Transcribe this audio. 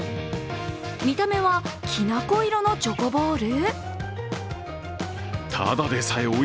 見た目は、きな粉色のチョコボール？